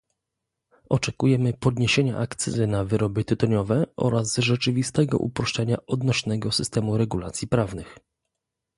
Oczekujemy podniesienia akcyzy na wyroby tytoniowe oraz rzeczywistego uproszczenia odnośnego systemu regulacji prawnych